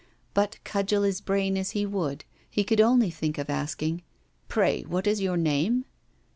But cudgel his brain as he would, he could only think of asking: 'Pray, what is your name?